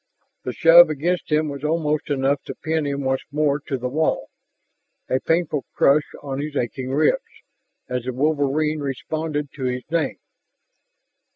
The shove against him was almost enough to pin him once more to the wall, a painful crush on his aching ribs, as the wolverine responded to his name.